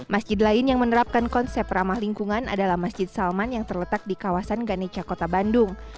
masjid lain yang menerapkan konsep ramah lingkungan adalah masjid salman yang terletak di kawasan ganeca kota bandung